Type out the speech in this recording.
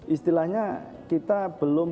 istilahnya kita belum